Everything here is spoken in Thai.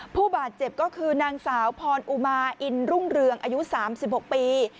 ผู้บาดเจ็บก็คือนางสาวพรอุมาอินรุ่งเรืองอายุ๓๖ปี